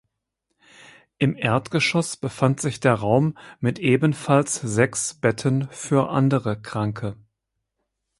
Im Erdgeschoss befand sich der Raum mit ebenfalls sechs Betten für andere Kranke.